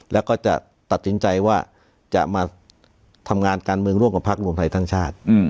แล้วก็จะตัดสินใจว่าจะมาทำงานการเมืองร่วมกับพักรวมไทยสร้างชาติ